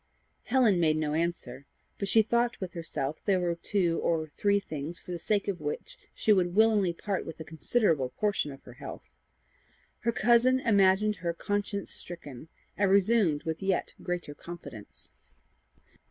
Helen made no answer, but she thought with herself there were two or three things for the sake of which she would willingly part with a considerable portion of her health. Her cousin imagined her conscience stricken, and resumed with yet greater confidence.